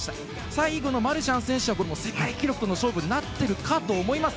最後のマルシャン選手はこれ、世界記録との勝負になってるかと思います。